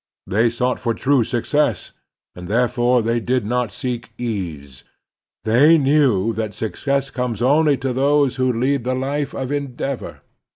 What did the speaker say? They sought for true success, and therefore they did not seek ease. They knew that success comes only to those who lead the life of endeavor.